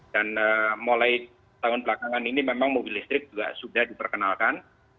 dan mulai tahun belakangan ini memang mobil listrik juga sudah diperkenalkan